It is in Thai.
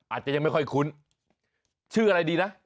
อาจจะยังไม่ค่อยคุ้นชื่ออะไรดีนะ